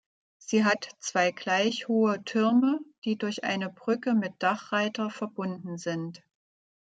Sie hat zwei gleiche hohe Türme, die durch eine Brücke mit Dachreiter verbunden sind.